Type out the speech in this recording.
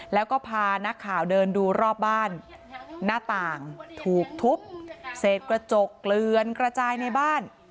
แล้วก็พานักข่าวเดินดูรอบบ้านหน้าต่างถูกทุบเศษกระจกเกลือนกระจายในบ้าน